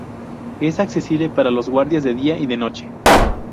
Es accesible para los guardias de día y de noche.